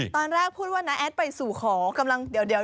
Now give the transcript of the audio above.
ตอนแรกพูดว่าน้าแอดไปสู่ขอกำลังเดี๋ยว